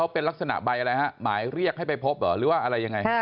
เป็นลักษณะใบอะไรฮะหมายเรียกให้ไปพบเหรอหรือว่าอะไรยังไง